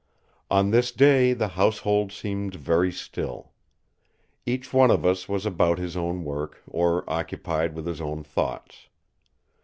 On this day the household seemed very still. Each one of us was about his own work, or occupied with his own thoughts.